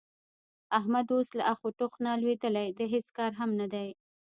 احمد اوس له اخ او ټوخ نه لوېدلی د هېڅ کار هم نه دی.